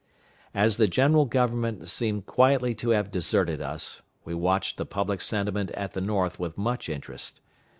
As the General Government seemed quietly to have deserted us, we watched the public sentiment at the North with much interest.